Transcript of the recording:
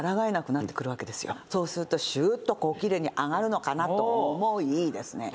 「そうするとシュッときれいに上がるのかなと思いですね